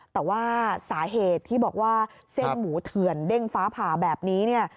แต่ว่าสาเหตุที่บอกว่าเส้นหมูเถื่อนเด้งฟ้าผ่าแบบนี้เนี่ย